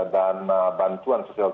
dana bantuan sosial